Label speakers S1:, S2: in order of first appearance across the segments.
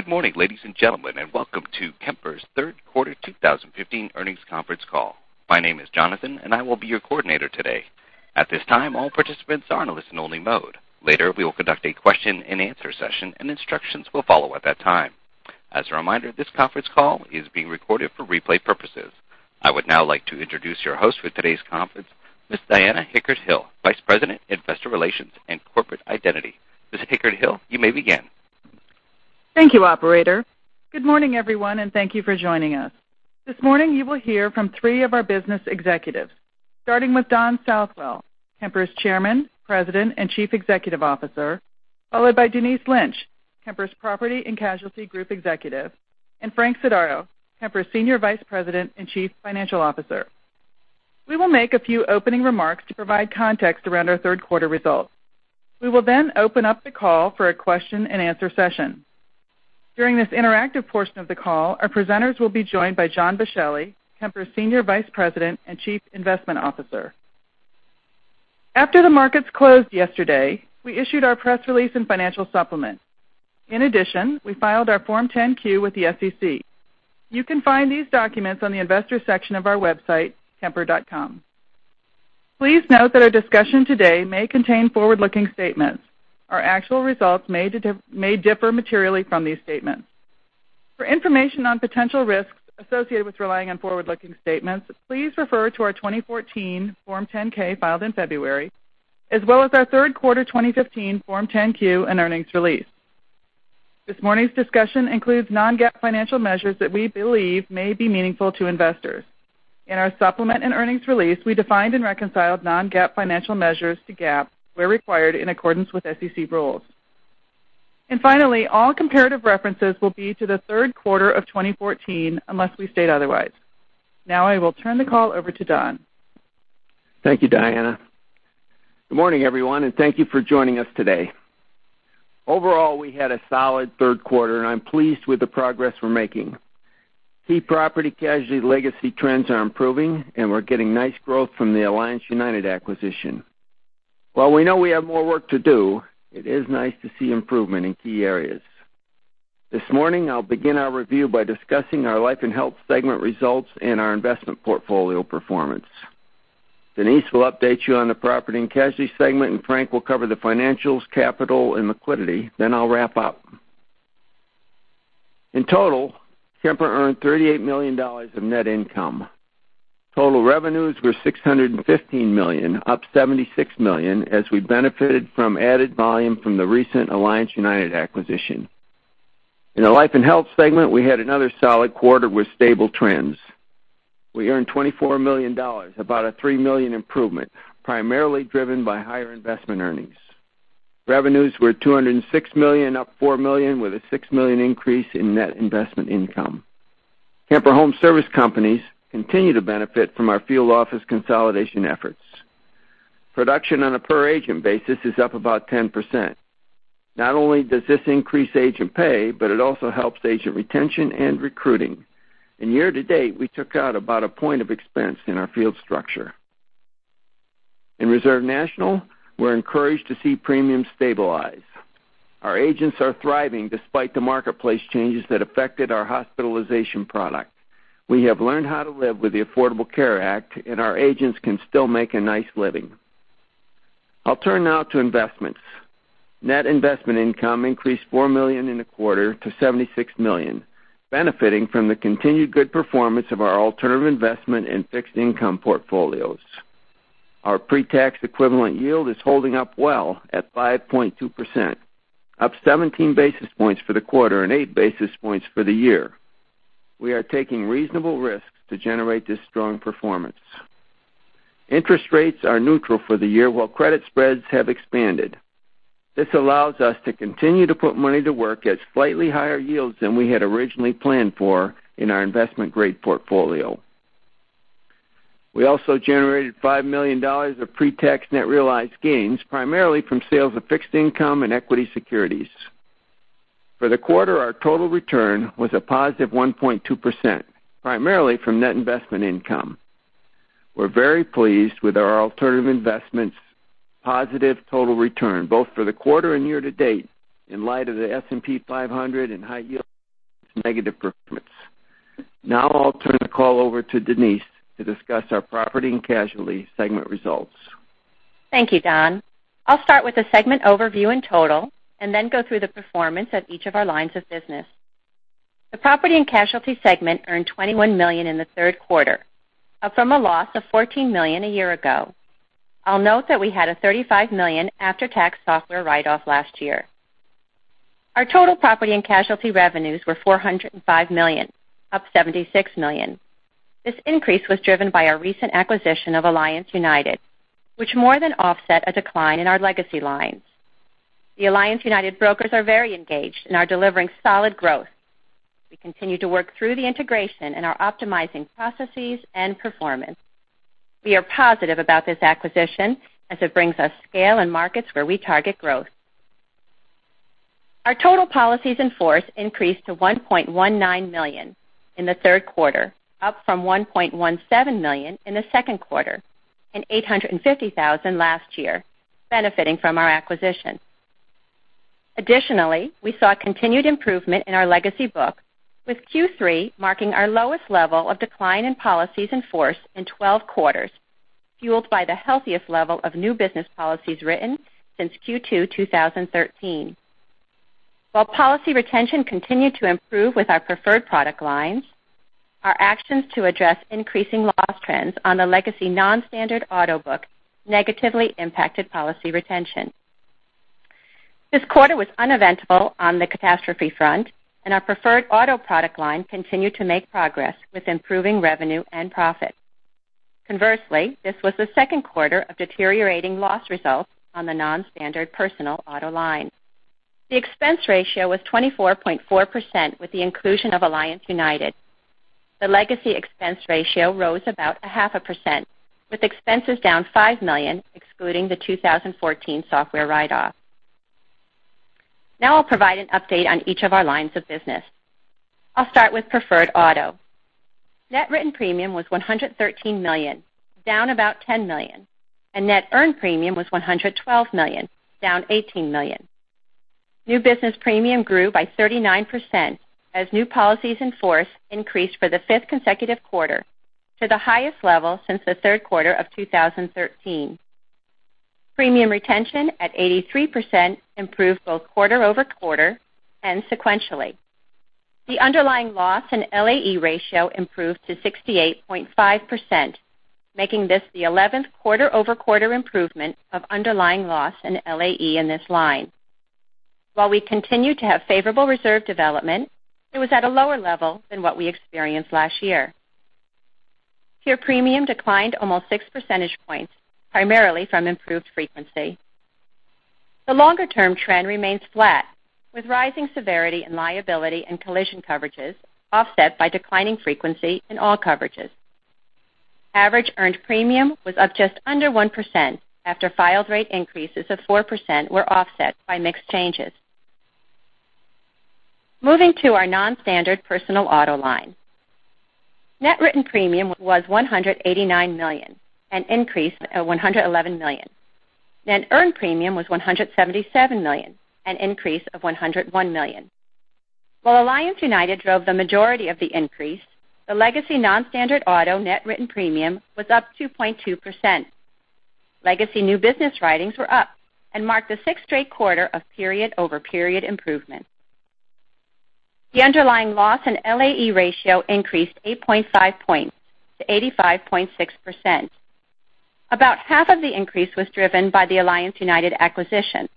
S1: Good morning, ladies and gentlemen, welcome to Kemper's third quarter 2015 earnings conference call. My name is Jonathan, I will be your coordinator today. At this time, all participants are in a listen-only mode. Later, we will conduct a question-and-answer session, instructions will follow at that time. As a reminder, this conference call is being recorded for replay purposes. I would now like to introduce your host for today's conference, Ms. Diana Hickert-Hill, Vice President, Investor Relations and Corporate Identity. Ms. Hickert-Hill, you may begin.
S2: Thank you, operator. Good morning, everyone, thank you for joining us. This morning, you will hear from three of our business executives. Starting with Don Southwell, Kemper's Chairman, President, and Chief Executive Officer, followed by Denise Lynch, Kemper's Property and Casualty Group Executive, Frank Sodaro, Kemper's Senior Vice President and Chief Financial Officer. We will make a few opening remarks to provide context around our third quarter results. We will open up the call for a question-and-answer session. During this interactive portion of the call, our presenters will be joined by John Boschelli, Kemper's Senior Vice President and Chief Investment Officer. After the markets closed yesterday, we issued our press release and financial supplement. In addition, we filed our Form 10-Q with the SEC. You can find these documents on the investor section of our website, kemper.com. Please note that our discussion today may contain forward-looking statements. Our actual results may differ materially from these statements. For information on potential risks associated with relying on forward-looking statements, please refer to our 2014 Form 10-K filed in February, as well as our third quarter 2015 Form 10-Q and earnings release. This morning's discussion includes non-GAAP financial measures that we believe may be meaningful to investors. In our supplement and earnings release, we defined and reconciled non-GAAP financial measures to GAAP, where required, in accordance with SEC rules. Finally, all comparative references will be to the third quarter of 2014 unless we state otherwise. Now I will turn the call over to Don.
S3: Thank you, Diana. Good morning, everyone, thank you for joining us today. Overall, we had a solid third quarter, I'm pleased with the progress we're making. Key property casualty legacy trends are improving, we're getting nice growth from the Alliance United acquisition. While we know we have more work to do, it is nice to see improvement in key areas. This morning, I'll begin our review by discussing our life and health segment results and our investment portfolio performance. Denise will update you on the Property and Casualty segment, Frank will cover the financials, capital, and liquidity. I'll wrap up. In total, Kemper earned $38 million of net income. Total revenues were $615 million, up $76 million as we benefited from added volume from the recent Alliance United acquisition. In the Life and Health segment, we had another solid quarter with stable trends. We earned $24 million, about a three million improvement, primarily driven by higher investment earnings. Revenues were $206 million, up $4 million with a $6 million increase in net investment income. Kemper Home Service companies continue to benefit from our field office consolidation efforts. Production on a per agent basis is up about 10%. Not only does this increase agent pay, but it also helps agent retention and recruiting. Year-to-date, we took out about a point of expense in our field structure. In Reserve National, we're encouraged to see premiums stabilize. Our agents are thriving despite the marketplace changes that affected our hospitalization product. We have learned how to live with the Affordable Care Act. Our agents can still make a nice living. I'll turn now to investments. Net investment income increased $4 million in the quarter to $76 million, benefiting from the continued good performance of our alternative investment and fixed income portfolios. Our pre-tax equivalent yield is holding up well at 5.2%, up 17 basis points for the quarter and eight basis points for the year. We are taking reasonable risks to generate this strong performance. Interest rates are neutral for the year, while credit spreads have expanded. This allows us to continue to put money to work at slightly higher yields than we had originally planned for in our investment-grade portfolio. We also generated $5 million of pre-tax net realized gains, primarily from sales of fixed income and equity securities. For the quarter, our total return was a positive 1.2%, primarily from net investment income. We're very pleased with our alternative investment's positive total return, both for the quarter and year-to-date, in light of the S&P 500 and high yield's negative performance. Now I'll turn the call over to Denise to discuss our Property & Casualty segment results.
S4: Thank you, Don. I'll start with the segment overview in total and then go through the performance of each of our lines of business. The Property & Casualty segment earned $21 million in the third quarter, up from a loss of $14 million a year ago. I'll note that we had a $35 million after-tax software write-off last year. Our total property and casualty revenues were $405 million, up $76 million. This increase was driven by our recent acquisition of Alliance United, which more than offset a decline in our legacy lines. The Alliance United brokers are very engaged and are delivering solid growth. We continue to work through the integration and are optimizing processes and performance. We are positive about this acquisition as it brings us scale in markets where we target growth. Our total policies in force increased to 1.19 million in the third quarter, up from 1.17 million in the second quarter and 850,000 last year, benefiting from our acquisition. Additionally, we saw continued improvement in our legacy book with Q3 marking our lowest level of decline in policies in force in 12 quarters, fueled by the healthiest level of new business policies written since Q2 2013. While policy retention continued to improve with our preferred product lines, our actions to address increasing loss trends on the legacy non-standard auto book negatively impacted policy retention. This quarter was uneventful on the catastrophe front, and our preferred auto product line continued to make progress with improving revenue and profit. Conversely, this was the second quarter of deteriorating loss results on the non-standard personal auto line. The expense ratio was 24.4% with the inclusion of Alliance United. The legacy expense ratio rose about 0.5%, with expenses down $5 million, excluding the 2014 software write-off. I'll provide an update on each of our lines of business. I'll start with preferred auto. Net written premium was $113 million, down about $10 million, and net earned premium was $112 million, down $18 million. New business premium grew by 39% as new policies in force increased for the fifth consecutive quarter to the highest level since the third quarter of 2013. Premium retention at 83% improved both quarter-over-quarter and sequentially. The underlying loss and LAE ratio improved to 68.5%, making this the 11th quarter-over-quarter improvement of underlying loss in LAE in this line. While we continue to have favorable reserve development, it was at a lower level than what we experienced last year. Pure premium declined almost six percentage points, primarily from improved frequency. The longer-term trend remains flat, with rising severity and liability in collision coverages offset by declining frequency in all coverages. Average earned premium was up just under 1% after filed rate increases of 4% were offset by mix changes. Moving to our non-standard personal auto line. Net written premium was $189 million, an increase of $111 million. Net earned premium was $177 million, an increase of $101 million. While Alliance United drove the majority of the increase, the legacy non-standard auto net written premium was up 2.2%. Legacy new business writings were up and marked the sixth straight quarter of period-over-period improvement. The underlying loss in LAE ratio increased 8.5 points to 85.6%. About half of the increase was driven by the Alliance United acquisition,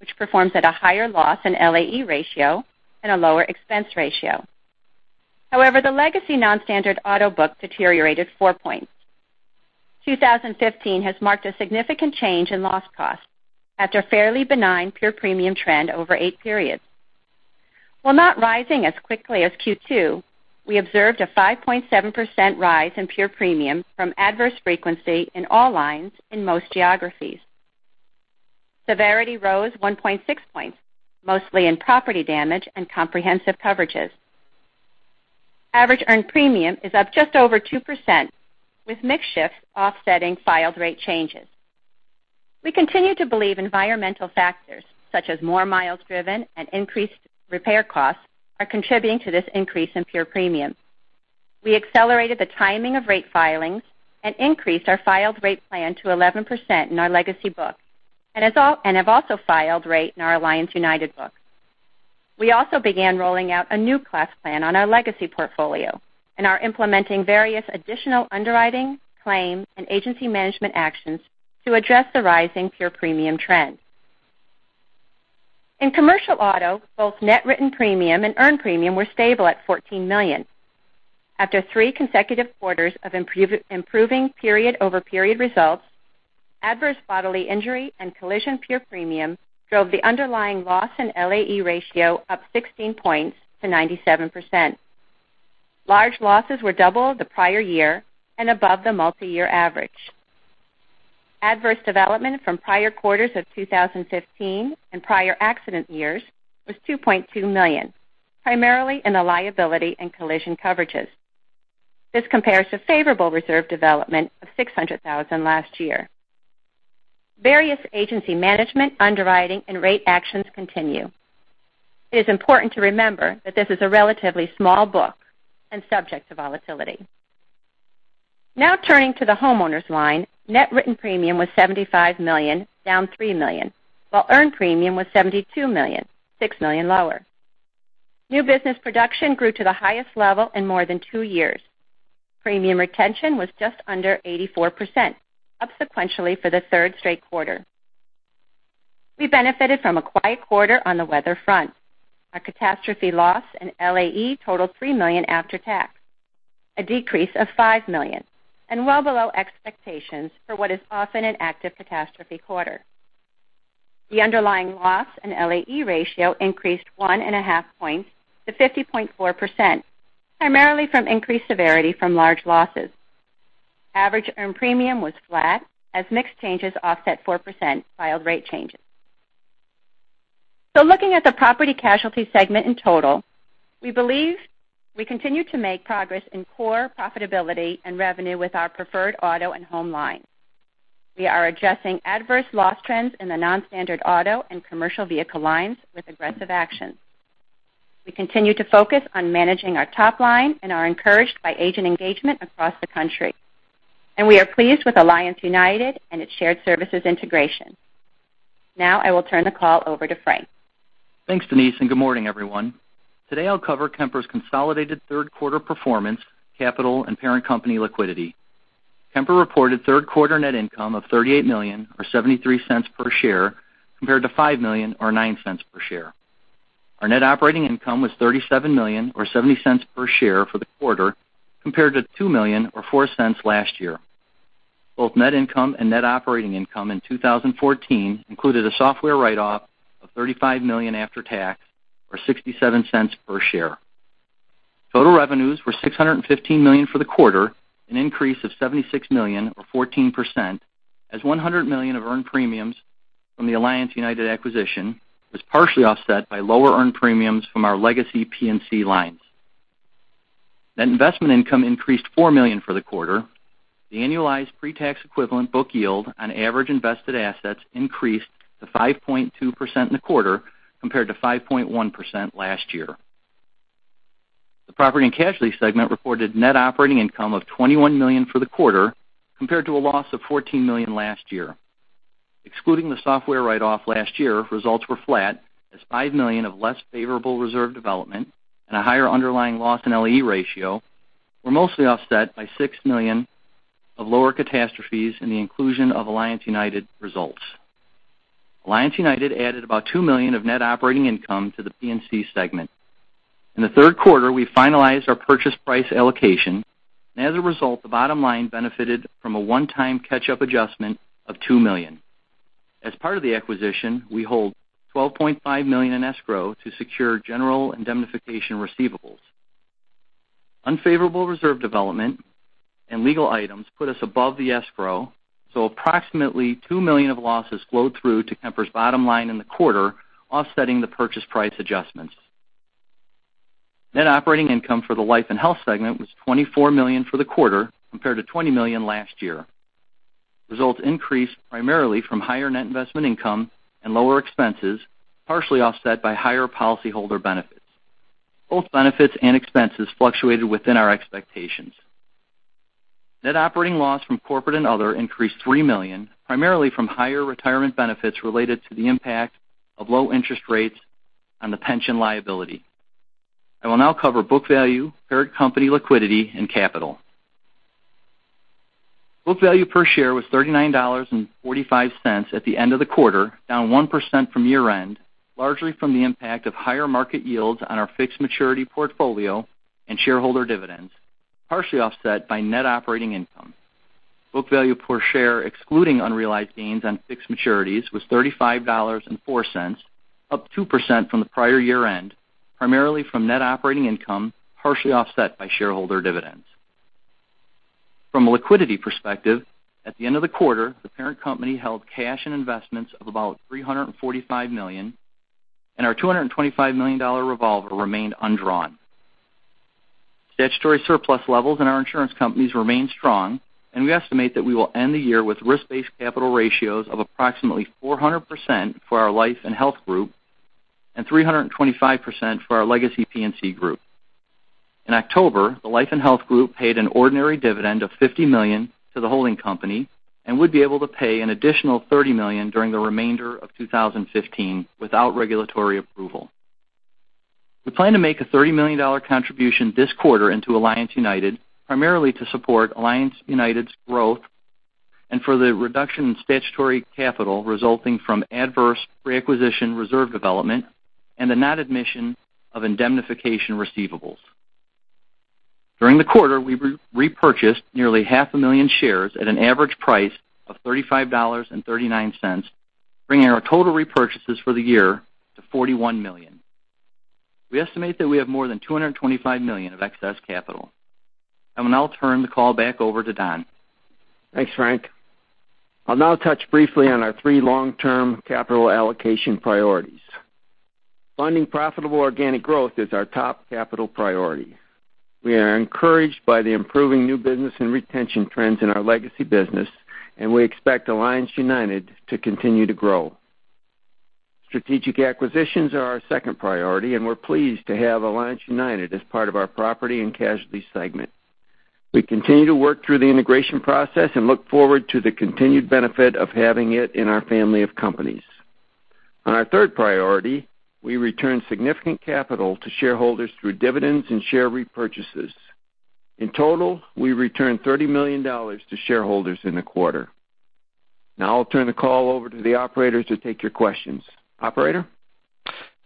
S4: which performs at a higher loss in LAE ratio and a lower expense ratio. The legacy non-standard auto book deteriorated four points. 2015 has marked a significant change in loss cost after a fairly benign pure premium trend over eight periods. While not rising as quickly as Q2, we observed a 5.7% rise in pure premium from adverse frequency in all lines in most geographies. Severity rose 1.6 points, mostly in property damage and comprehensive coverages. Average earned premium is up just over 2%, with mix shifts offsetting filed rate changes. We continue to believe environmental factors, such as more miles driven and increased repair costs, are contributing to this increase in pure premium. We accelerated the timing of rate filings and increased our filed rate plan to 11% in our legacy book, and have also filed rate in our Alliance United book. We also began rolling out a new class plan on our legacy portfolio and are implementing various additional underwriting, claim, and agency management actions to address the rising pure premium trend. In commercial auto, both net written premium and earned premium were stable at $14 million. After 3 consecutive quarters of improving period over period results, adverse bodily injury and collision pure premium drove the underlying loss and LAE ratio up 16 points to 97%. Large losses were double the prior year and above the multi-year average. Adverse development from prior quarters of 2015 and prior accident years was $2.2 million, primarily in the liability and collision coverages. This compares to favorable reserve development of $600,000 last year. Various agency management, underwriting, and rate actions continue. It is important to remember that this is a relatively small book and subject to volatility. Now turning to the homeowners' line. Net written premium was $75 million, down $3 million, while earned premium was $72 million, $6 million lower. New business production grew to the highest level in more than two years. Premium retention was just under 84%, up sequentially for the third straight quarter. We benefited from a quiet quarter on the weather front. Our catastrophe loss and LAE totaled $3 million after tax, a decrease of $5 million, and well below expectations for what is often an active catastrophe quarter. The underlying loss and LAE ratio increased 1.5 points to 50.4%, primarily from increased severity from large losses. Average earned premium was flat as mix changes offset 4% filed rate changes. Looking at the property casualty segment in total, we believe we continue to make progress in core profitability and revenue with our preferred auto and home line. We are addressing adverse loss trends in the non-standard auto and commercial vehicle lines with aggressive actions. We continue to focus on managing our top line and are encouraged by agent engagement across the country. We are pleased with Alliance United and its shared services integration. Now I will turn the call over to Frank.
S5: Thanks, Denise, and good morning, everyone. Today I'll cover Kemper's consolidated third quarter performance, capital and parent company liquidity. Kemper reported third quarter net income of $38 million or $0.73 per share, compared to $5 million or $0.09 per share. Our net operating income was $37 million or $0.70 per share for the quarter, compared to $2 million or $0.04 last year. Both net income and net operating income in 2014 included a software write-off of $35 million after tax or $0.67 per share. Total revenues were $615 million for the quarter, an increase of $76 million or 14%, as $100 million of earned premiums from the Alliance United acquisition was partially offset by lower earned premiums from our legacy P&C lines. Net investment income increased $4 million for the quarter. The annualized pre-tax equivalent book yield on average invested assets increased to 5.2% in the quarter, compared to 5.1% last year. The property and casualty segment reported net operating income of $21 million for the quarter, compared to a loss of $14 million last year. Excluding the software write-off last year, results were flat as $5 million of less favorable reserve development and a higher underlying loss and LAE ratio were mostly offset by $6 million of lower catastrophes and the inclusion of Alliance United results. Alliance United added about $2 million of net operating income to the P&C segment. In the third quarter, we finalized our purchase price allocation and as a result, the bottom line benefited from a one-time catch-up adjustment of $2 million. As part of the acquisition, we hold $12.5 million in escrow to secure general indemnification receivables. Unfavorable reserve development and legal items put us above the escrow, approximately $2 million of losses flowed through to Kemper's bottom line in the quarter, offsetting the purchase price adjustments. Net operating income for the life and health segment was $24 million for the quarter, compared to $20 million last year. Results increased primarily from higher net investment income and lower expenses, partially offset by higher policyholder benefits. Both benefits and expenses fluctuated within our expectations. Net operating loss from corporate and other increased $3 million, primarily from higher retirement benefits related to the impact of low interest rates on the pension liability. I will now cover book value, parent company liquidity and capital. Book value per share was $39.45 at the end of the quarter, down 1% from year-end, largely from the impact of higher market yields on our fixed maturity portfolio and shareholder dividends, partially offset by net operating income. Book value per share excluding unrealized gains on fixed maturities was $35.04, up 2% from the prior year-end, primarily from net operating income, partially offset by shareholder dividends. From a liquidity perspective, at the end of the quarter, the parent company held cash and investments of about $345 million, and our $225 million revolver remained undrawn. Statutory surplus levels in our insurance companies remain strong, and we estimate that we will end the year with risk-based capital ratios of approximately 400% for our life and health group and 325% for our legacy P&C group. In October, the life and health group paid an ordinary dividend of $50 million to the holding company and would be able to pay an additional $30 million during the remainder of 2015 without regulatory approval. We plan to make a $30 million contribution this quarter into Alliance United, primarily to support Alliance United's growth and for the reduction in statutory capital resulting from adverse pre-acquisition reserve development and the non-admission of indemnification receivables. During the quarter, we repurchased nearly half a million shares at an average price of $35.39, bringing our total repurchases for the year to $41 million. We estimate that we have more than $225 million of excess capital. I will now turn the call back over to Don.
S3: Thanks, Frank. I'll now touch briefly on our three long-term capital allocation priorities. Funding profitable organic growth is our top capital priority. We are encouraged by the improving new business and retention trends in our legacy business, and we expect Alliance United to continue to grow. Strategic acquisitions are our second priority, and we're pleased to have Alliance United as part of our Property and Casualty segment. We continue to work through the integration process and look forward to the continued benefit of having it in our family of companies. On our third priority, we return significant capital to shareholders through dividends and share repurchases. In total, we returned $30 million to shareholders in the quarter. I'll turn the call over to the operator to take your questions. Operator?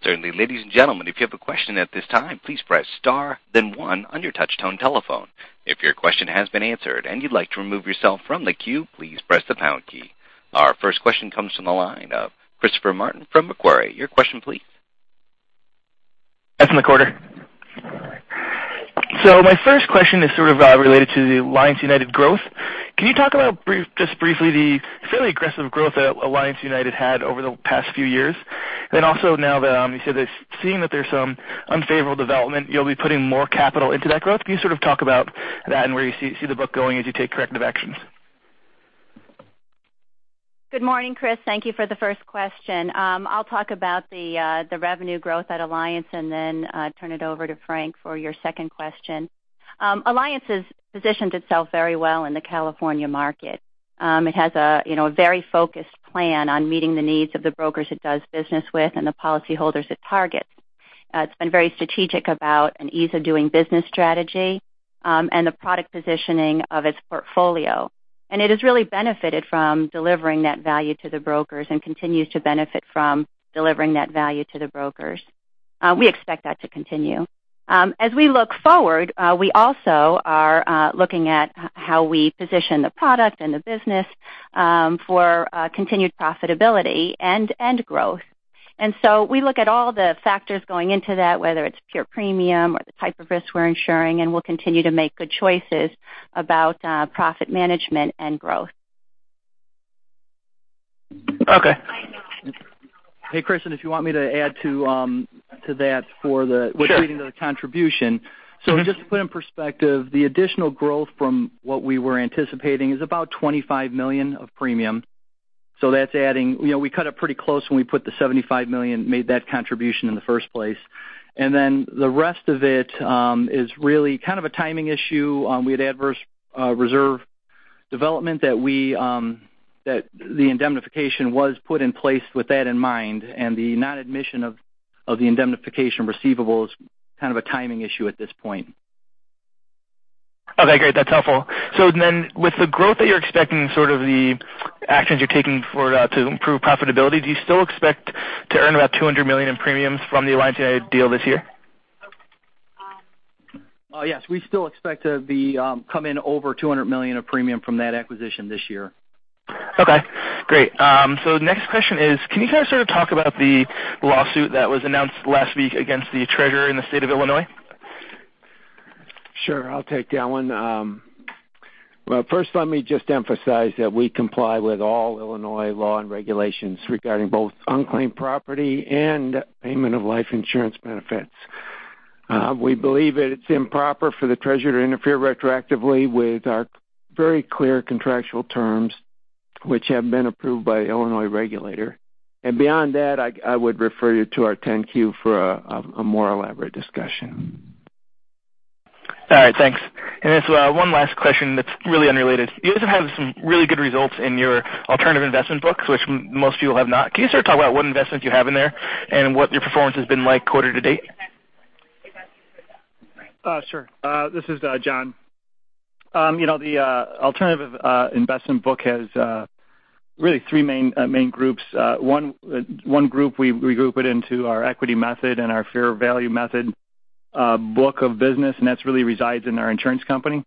S1: Certainly. Ladies and gentlemen, if you have a question at this time, please press star 1 on your touch tone telephone. If your question has been answered and you'd like to remove yourself from the queue, please press the pound key. Our first question comes from the line of Christopher Martin from Macquarie. Your question please.
S6: As in the quarter My first question is sort of related to the Alliance United growth. Can you talk about, just briefly, the fairly aggressive growth that Alliance United had over the past few years? Also now that you said that seeing that there's some unfavorable development, you'll be putting more capital into that growth. Can you sort of talk about that and where you see the book going as you take corrective actions?
S4: Good morning, Chris. Thank you for the first question. I'll talk about the revenue growth at Alliance and then turn it over to Frank for your second question. Alliance has positioned itself very well in the California market. It has a very focused plan on meeting the needs of the brokers it does business with and the policyholders it targets. It's been very strategic about an ease of doing business strategy, and the product positioning of its portfolio. It has really benefited from delivering that value to the brokers and continues to benefit from delivering that value to the brokers. We expect that to continue. As we look forward, we also are looking at how we position the product and the business for continued profitability and end growth. We look at all the factors going into that, whether it's pure premium or the type of risk we're insuring, and we'll continue to make good choices about profit management and growth.
S6: Okay.
S7: Hey, Chris, and if you want me to add to that for the- Sure with treating of the contribution.
S5: Just to put in perspective, the additional growth from what we were anticipating is about $25 million of premium. That's adding. We cut it pretty close when we put the $75 million, made that contribution in the first place. The rest of it is really kind of a timing issue. We had adverse reserve development that the indemnification was put in place with that in mind, and the non-admission of the indemnification receivable is kind of a timing issue at this point.
S6: Okay, great. That's helpful. With the growth that you're expecting, sort of the actions you're taking to improve profitability, do you still expect to earn about $200 million in premiums from the Alliance United deal this year?
S5: Yes. We still expect to come in over $200 million of premium from that acquisition this year.
S6: Okay, great. Next question is, can you guys sort of talk about the lawsuit that was announced last week against the treasurer in the state of Illinois?
S3: Sure, I'll take that one. First let me just emphasize that we comply with all Illinois law and regulations regarding both unclaimed property and payment of life insurance benefits. We believe that it's improper for the treasurer to interfere retroactively with our very clear contractual terms, which have been approved by Illinois regulator. Beyond that, I would refer you to our 10-Q for a more elaborate discussion.
S6: All right, thanks. One last question that's really unrelated. You guys have had some really good results in your alternative investment books, which most of you have not. Can you sort of talk about what investments you have in there and what your performance has been like quarter to date?
S7: Sure. This is John. The alternative investment book has really three main groups. One group we group it into our equity method and our fair value method book of business, that really resides in our insurance company.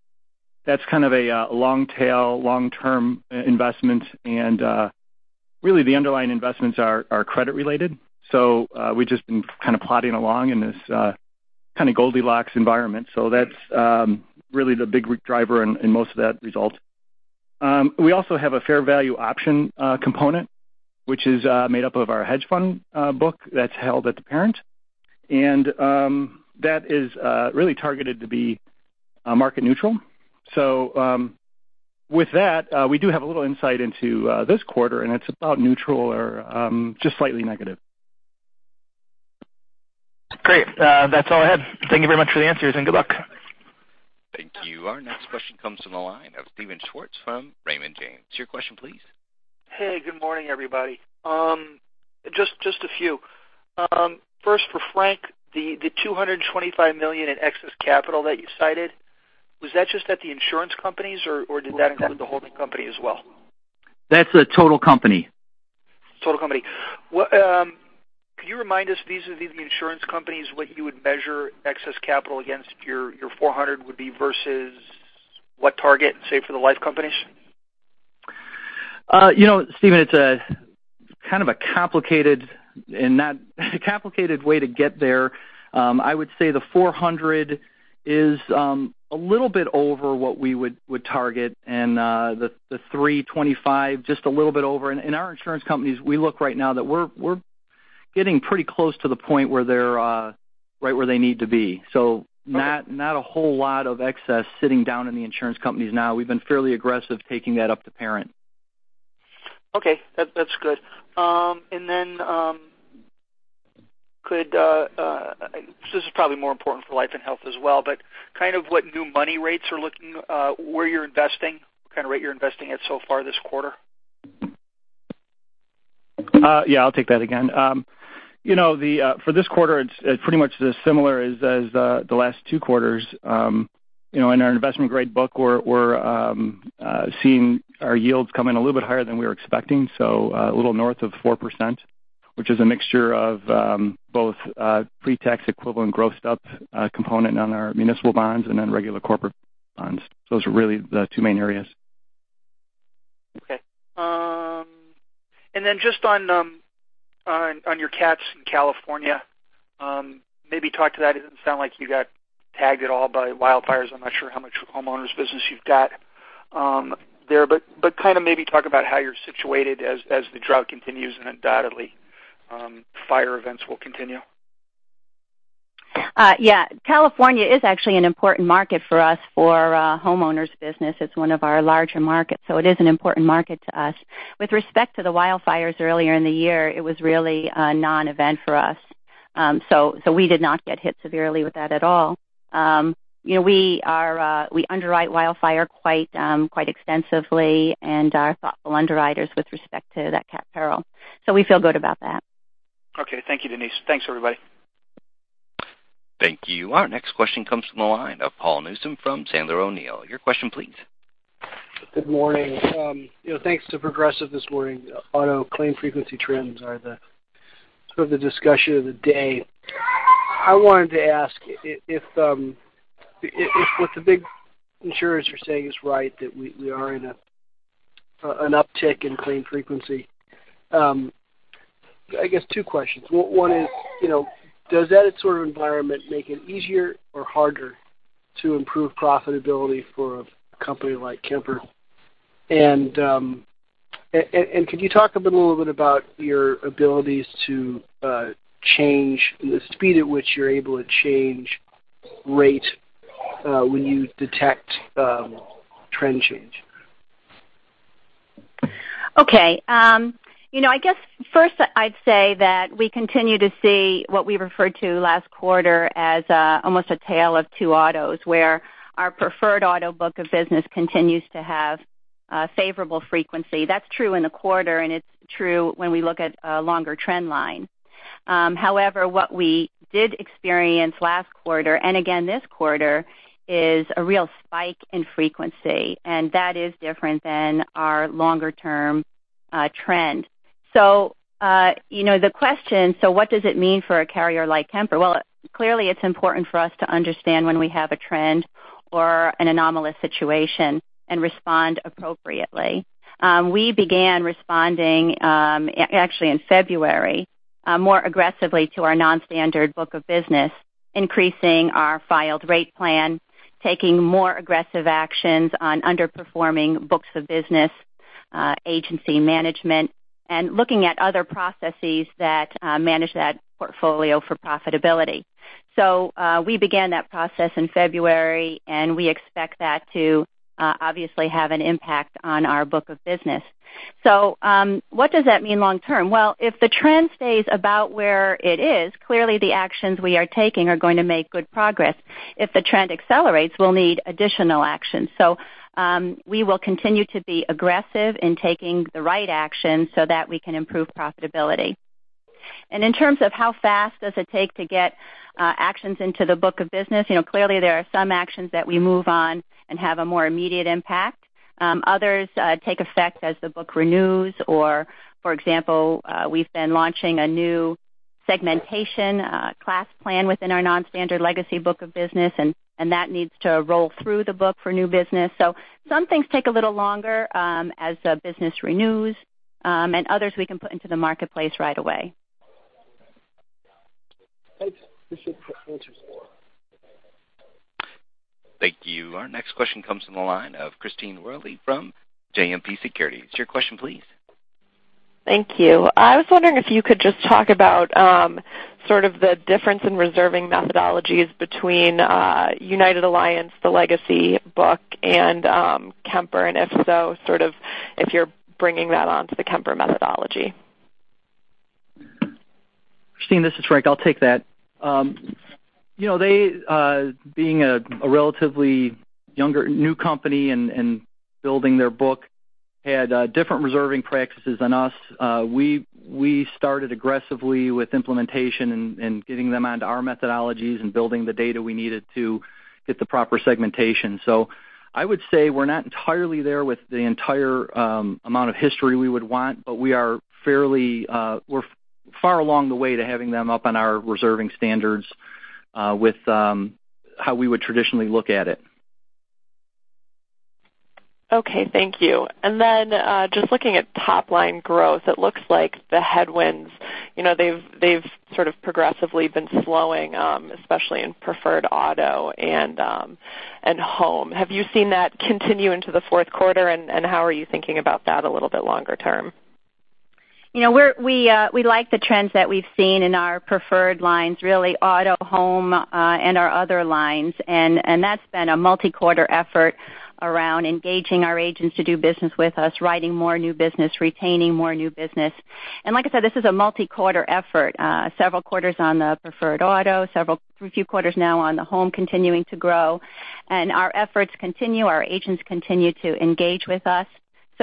S7: That's kind of a long tail, long-term investment, really the underlying investments are credit related. We've just been kind of plodding along in this kind of Goldilocks environment. That's really the big driver in most of that result. We also have a fair value option component, which is made up of our hedge fund book that's held at the parent. That is really targeted to be market neutral. With that, we do have a little insight into this quarter, and it's about neutral or just slightly negative.
S6: Great. That's all I had. Thank you very much for the answers, good luck.
S1: Thank you. Our next question comes from the line of Steven Schwartz from Raymond James. Your question please.
S8: Hey, good morning, everybody. Just a few. First for Frank, the $225 million in excess capital that you cited, was that just at the insurance companies or did that include the holding company as well?
S5: That's a total company.
S8: Total company. Could you remind us, these are the insurance companies, what you would measure excess capital against your $400 would be versus what target, say for the life companies?
S5: Steven, it's kind of a complicated way to get there. I would say the $400 is a little bit over what we would target and the $325 just a little bit over. In our insurance companies, we look right now that we're getting pretty close to the point where they're right where they need to be. Not a whole lot of excess sitting down in the insurance companies now. We've been fairly aggressive taking that up to parent.
S8: Okay, that's good. This is probably more important for life and health as well, but kind of what new money rates are looking, where you're investing, what kind of rate you're investing at so far this quarter?
S7: Yeah, I'll take that again. For this quarter, it's pretty much similar as the last two quarters. In our investment-grade book, we're seeing our yields come in a little bit higher than we were expecting. A little north of 4%, which is a mixture of both pre-tax equivalent grossed up component on our municipal bonds and regular corporate bonds. Those are really the two main areas.
S8: Okay. Just on your cats in California, maybe talk to that. It doesn't sound like you got tagged at all by wildfires. I'm not sure how much homeowners business you've got there, but kind of maybe talk about how you're situated as the drought continues and undoubtedly fire events will continue.
S4: Yeah. California is actually an important market for us for homeowners business. It is one of our larger markets, so it is an important market to us. With respect to the wildfires earlier in the year, it was really a non-event for us. We did not get hit severely with that at all. We underwrite wildfire quite extensively and are thoughtful underwriters with respect to that cat peril. We feel good about that.
S8: Okay. Thank you, Denise. Thanks, everybody.
S1: Thank you. Our next question comes from the line of Paul Newsome from Sandler O'Neill. Your question please.
S9: Good morning. Thanks to Progressive this morning. Auto claim frequency trends are the sort of the discussion of the day. I wanted to ask if what the big insurers are saying is right, that we are in an uptick in claim frequency. I guess two questions. One is, does that sort of environment make it easier or harder to improve profitability for a company like Kemper? Can you talk a little bit about your abilities to change and the speed at which you are able to change rate when you detect trend change?
S4: Okay. I guess first I'd say that we continue to see what we referred to last quarter as almost a tale of two autos, where our preferred auto book of business continues to have favorable frequency. That's true in a quarter, and it's true when we look at a longer trend line. However, what we did experience last quarter, and again this quarter, is a real spike in frequency, and that is different than our longer-term trend. The question, what does it mean for a carrier like Kemper? Well, clearly it's important for us to understand when we have a trend or an anomalous situation and respond appropriately. We began responding, actually in February, more aggressively to our non-standard book of business, increasing our filed rate plan, taking more aggressive actions on underperforming books of business, agency management, and looking at other processes that manage that portfolio for profitability. We began that process in February, and we expect that to obviously have an impact on our book of business. What does that mean long term? Well, if the trend stays about where it is, clearly the actions we are taking are going to make good progress. If the trend accelerates, we'll need additional action. We will continue to be aggressive in taking the right action so that we can improve profitability. In terms of how fast does it take to get actions into the book of business, clearly there are some actions that we move on and have a more immediate impact. Others take effect as the book renews, or for example, we've been launching a new segmentation class plan within our non-standard legacy book of business, and that needs to roll through the book for new business. Some things take a little longer as the business renews, and others we can put into the marketplace right away.
S9: Thanks. Appreciate the answers.
S1: Thank you. Our next question comes from the line of Christine Worley from JMP Securities. Your question please.
S10: Thank you. I was wondering if you could just talk about sort of the difference in reserving methodologies between Alliance United, the legacy book, and Kemper, and if so, sort of if you're bringing that onto the Kemper methodology.
S5: Christine, this is Frank. I'll take that. They, being a relatively younger, new company and building their book, had different reserving practices than us. We started aggressively with implementation and getting them onto our methodologies and building the data we needed to get the proper segmentation. I would say we're not entirely there with the entire amount of history we would want, but we're far along the way to having them up on our reserving standards with how we would traditionally look at it.
S10: Okay. Thank you. Just looking at top-line growth, it looks like the headwinds, they've sort of progressively been slowing, especially in preferred auto and home. Have you seen that continue into the fourth quarter, and how are you thinking about that a little bit longer term?
S4: We like the trends that we've seen in our preferred lines, really auto, home, and our other lines. That's been a multi-quarter effort around engaging our agents to do business with us, writing more new business, retaining more new business. Like I said, this is a multi-quarter effort. Several quarters on the preferred auto, a few quarters now on the home continuing to grow. Our efforts continue. Our agents continue to engage with us.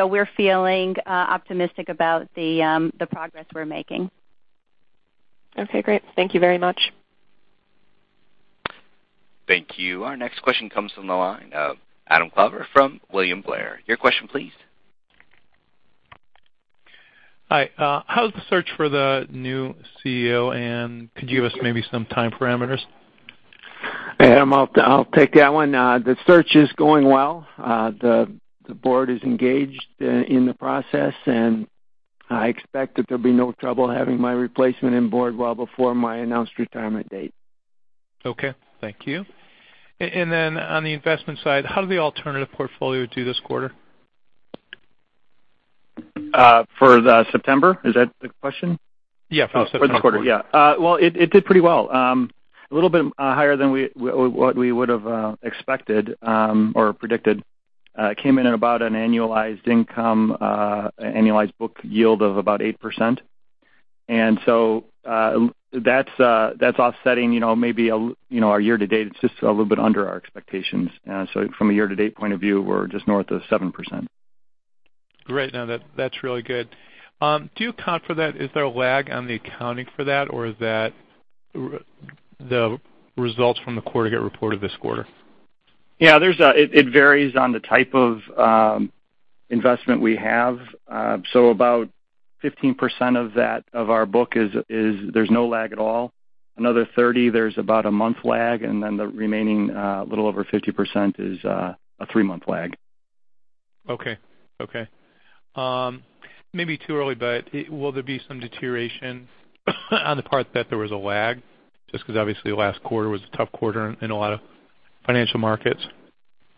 S4: We're feeling optimistic about the progress we're making.
S10: Okay, great. Thank you very much.
S1: Thank you. Our next question comes from the line of Adam Klever from William Blair. Your question please.
S11: Hi. How's the search for the new CEO? Could you give us maybe some time parameters?
S3: Adam, I'll take that one. The search is going well. The board is engaged in the process, I expect that there'll be no trouble having my replacement on board well before my announced retirement date.
S11: Okay. Thank you. Then on the investment side, how did the alternative portfolio do this quarter?
S7: For the September? Is that the question?
S11: Yeah, for the September quarter.
S7: For the quarter, yeah. Well, it did pretty well. A little bit higher than what we would have expected or predicted. Came in at about an annualized income, annualized book yield of about 8%. That's offsetting maybe our year-to-date. It's just a little bit under our expectations. From a year-to-date point of view, we're just north of 7%.
S11: Great. No, that's really good. Do you account for that? Is there a lag on the accounting for that, or is that the results from the quarter get reported this quarter?
S7: Yeah. It varies on the type of investment we have. About 15% of our book is there's no lag at all. Another 30%, there's about a month lag, and then the remaining, a little over 50%, is a three-month lag.
S11: Okay. It may be too early, will there be some deterioration on the part that there was a lag? Just because obviously last quarter was a tough quarter in a lot of financial markets.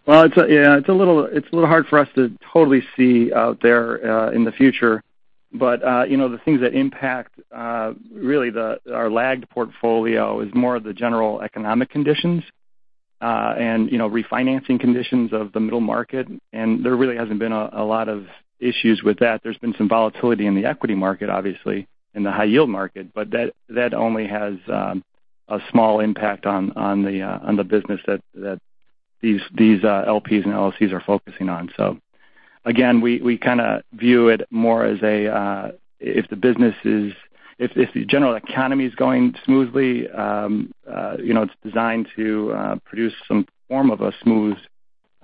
S7: Well, yeah, it's a little hard for us to totally see out there in the future. The things that impact really our lagged portfolio is more of the general economic conditions. Refinancing conditions of the middle market. There really hasn't been a lot of issues with that. There's been some volatility in the equity market, obviously, in the high yield market. That only has a small impact on the business that these LPs and LLCs are focusing on. Again, we kind of view it more as if the general economy is going smoothly, it's designed to produce some form of a smooth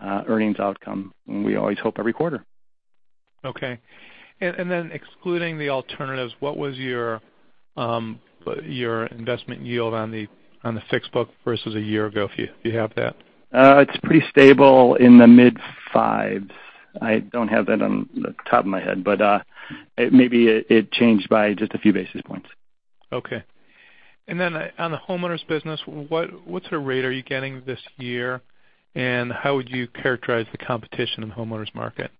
S7: earnings outcome, and we always hope every quarter.
S11: Okay. Excluding the alternatives, what was your investment yield on the fixed book versus a year ago, if you have that?
S7: It's pretty stable in the mid 5s. I don't have that on the top of my head, but maybe it changed by just a few basis points.
S11: Okay. On the homeowners business, what sort of rate are you getting this year, and how would you characterize the competition in the homeowners market?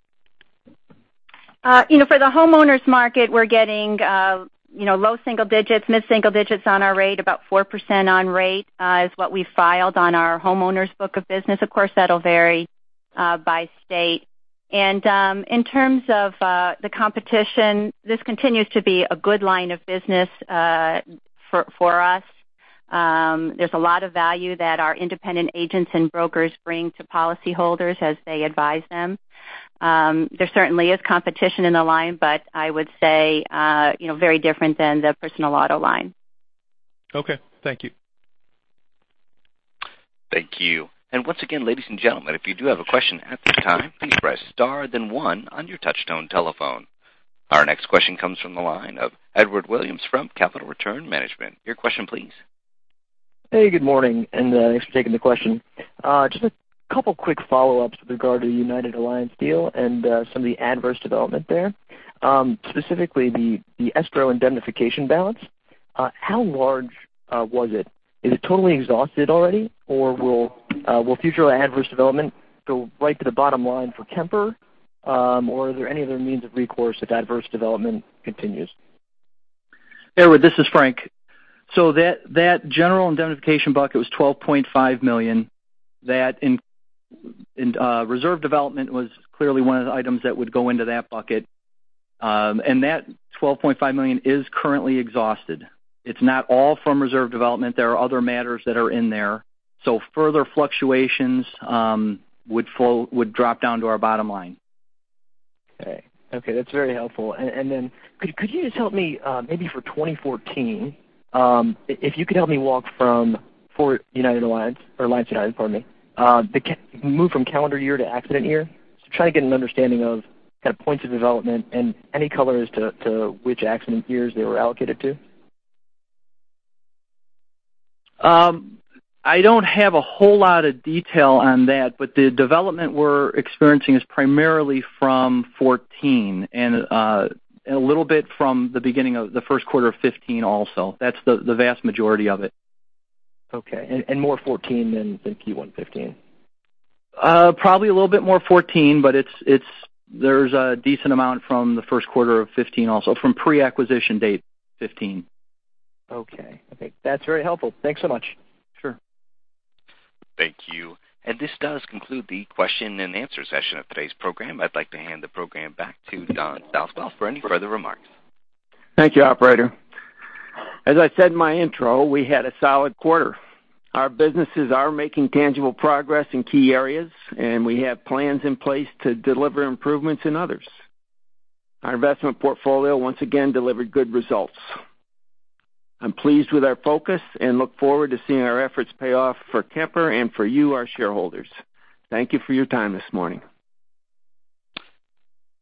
S4: For the homeowners market, we're getting low single digits, mid-single digits on our rate. About 4% on rate is what we filed on our homeowners' book of business. Of course, that'll vary by state. In terms of the competition, this continues to be a good line of business for us. There's a lot of value that our independent agents and brokers bring to policyholders as they advise them. There certainly is competition in the line, but I would say very different than the personal auto line.
S11: Okay. Thank you.
S1: Thank you. Once again, ladies and gentlemen, if you do have a question at this time, please press star then one on your touchtone telephone. Our next question comes from the line of Edward Williams from Capital Return Management. Your question please.
S12: Hey, good morning, and thanks for taking the question. Just a couple quick follow-ups with regard to the Alliance United deal and some of the adverse development there. Specifically, the escrow indemnification balance. How large was it? Is it totally exhausted already, or will future adverse development go right to the bottom line for Kemper? Are there any other means of recourse if adverse development continues?
S5: Edward, this is Frank. That general indemnification bucket was $12.5 million. Reserve development was clearly one of the items that would go into that bucket. That $12.5 million is currently exhausted. It's not all from reserve development. There are other matters that are in there. Further fluctuations would drop down to our bottom line.
S12: Okay. That's very helpful. Could you just help me maybe for 2014, if you could help me walk from for Alliance United, pardon me, the move from calendar year to accident year. Just trying to get an understanding of kind of points of development and any color as to which accident years they were allocated to.
S5: I don't have a whole lot of detail on that, the development we're experiencing is primarily from 2014 and a little bit from the beginning of the first quarter of 2015 also. That's the vast majority of it.
S12: Okay. More 2014 than Q1 2015?
S5: Probably a little bit more 2014, There's a decent amount from the first quarter of 2015 also from pre-acquisition date 2015.
S12: Okay. That's very helpful. Thanks so much.
S5: Sure.
S1: Thank you. This does conclude the question and answer session of today's program. I'd like to hand the program back to Don Southwell for any further remarks.
S3: Thank you, operator. As I said in my intro, we had a solid quarter. Our businesses are making tangible progress in key areas. We have plans in place to deliver improvements in others. Our investment portfolio once again delivered good results. I'm pleased with our focus and look forward to seeing our efforts pay off for Kemper and for you, our shareholders. Thank you for your time this morning.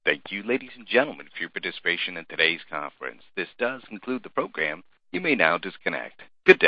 S1: Thank you, ladies and gentlemen, for your participation in today's conference. This does conclude the program. You may now disconnect. Good day.